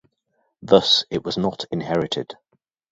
Thus, it was not inherited.